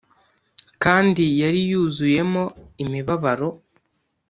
kandi yari yuzuyemo imibabaro